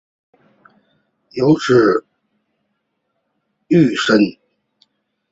有子俞深。